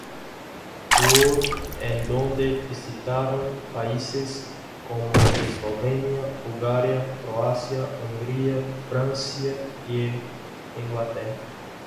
Tour", en donde visitaron países como Eslovenia, Bulgaria, Croacia, Hungría, Francia e Inglaterra.